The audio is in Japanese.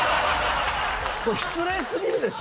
失礼すぎるでしょ！